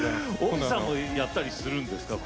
ＭＩさんもやったりするんですか？